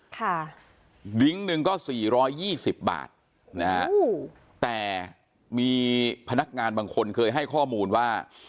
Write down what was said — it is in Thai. ค่ะลิงก์หนึ่งก็สี่ร้อยยี่สิบบาทนะฮะแต่มีพนักงานบางคนเคยให้ข้อมูลว่า